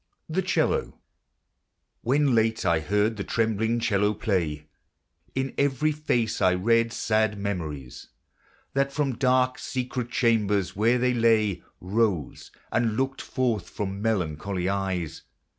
THE CELLO. "When late I heard the trembling cello play, In every face I read sad memories That from dark, secret chambers where they lay Rose, and looked forth from melancholy eyes.